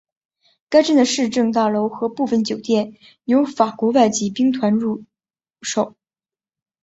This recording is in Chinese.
该镇的市政大楼和部分酒店有法国外籍兵团驻守。